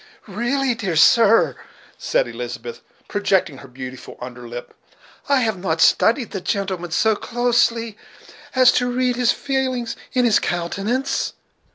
"Really, dear sir," said Elizabeth, projecting her beautiful under lip, "I have not studied the gentleman so closely as to read his feelings in his countenance.